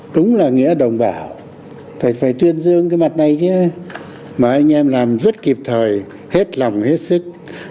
đúng là nghĩa đồng bào phải tuyên dương cái mặt này kia mà anh em làm rất kịp thời hết lòng hết sức